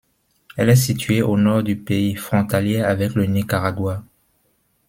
Elle est située au nord du pays, frontalière avec le Nicaragua.